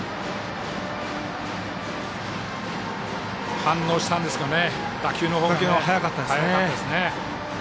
反応したんですが打球のほうが速かったですね。